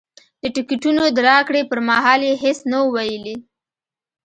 د ټکټونو د راکړې پر مهال یې هېڅ نه وو ویلي.